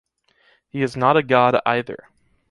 He is not a God either.